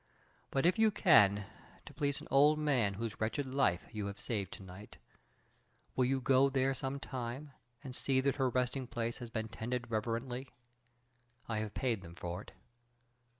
But if you can, to please an old man whose wretched life you have saved tonight, will you go there some time and see that her resting place has been tended reverently? I have paid them for it."